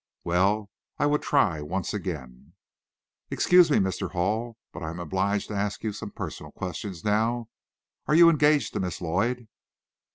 Well, I would try once again. "Excuse me, Mr. Hall, but I am obliged to ask you some personal questions now. Are you engaged to Miss Lloyd?"